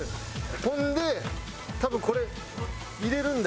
ほんで多分これ入れるんだよ。